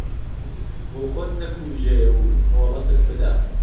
بۆ خۆت نهکووژێ و مۆڵهتت بدا